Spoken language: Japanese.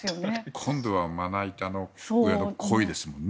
今度はまな板の上のコイですからね。